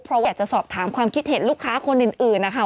เพราะอยากจะสอบถามความคิดเห็นลูกค้าคนอื่นนะคะ